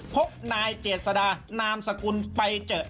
พบนายเจษดานามสกุลไปเจอ